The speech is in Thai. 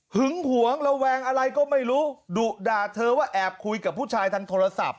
หวงระแวงอะไรก็ไม่รู้ดุด่าเธอว่าแอบคุยกับผู้ชายทางโทรศัพท์